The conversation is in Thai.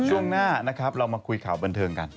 ช่วงหน้านะครับเรามาคุยข่าวบันเทิงกัน